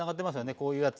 こういうやつ。